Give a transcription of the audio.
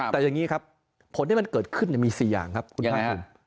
แต่อย่างนี้ครับผลที่มันเกิดขึ้นมี๔อย่างครับคุณภาคภูมิ